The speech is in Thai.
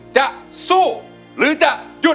จะสู้หรือจะหยุด